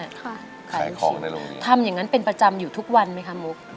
ขายของในโรงเรียนทำอย่างงั้นเป็นประจำอยู่ทุกวันไหมคะมุก